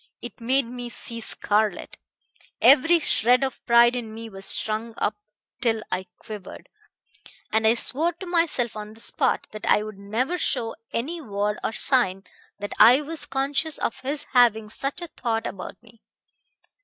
It made me see scarlet. Every shred of pride in me was strung up till I quivered, and I swore to myself on the spot that I would never show by any word or sign that I was conscious of his having such a thought about me.